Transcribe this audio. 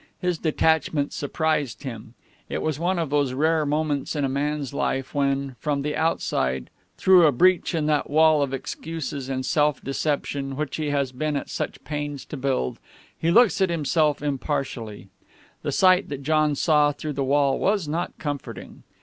His detachment surprised him. It was one of those rare moments in a man's life when, from the outside, through a breach in that wall of excuses and self deception which he has been at such pains to build, he looks at himself impartially. The sight that John saw through the wall was not comforting.